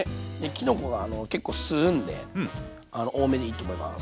きのこが結構吸うんで多めでいいと思います。